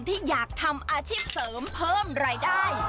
ที่อยากทำอาชีพเสริมเพิ่มรายได้